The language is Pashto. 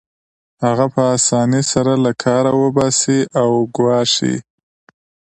هغه په اسانۍ سره له کاره وباسي او ګواښي